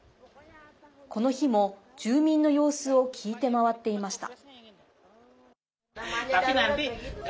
この日も、住民の様子を聞いて回っていました。